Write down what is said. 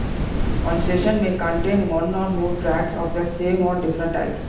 One "session" may contain one or more tracks of the same or different types.